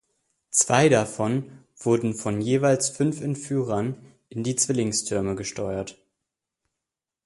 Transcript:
Zwei davon wurden von jeweils fünf Entführern in die Zwillingstürme gesteuert.